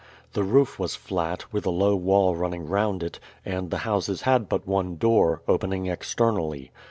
The roof was flat, with a low wall running round it, and the houses had but one door, opening externally.